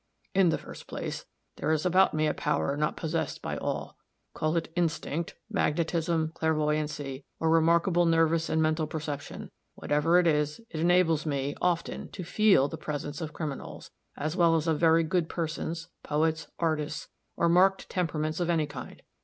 In the first place there is about me a power not possessed by all call it instinct, magnetism, clairvoyancy, or remarkable nervous and mental perception. Whatever it is, it enables me, often, to feel the presence of criminals, as well as of very good persons, poets, artists, or marked temperaments of any kind.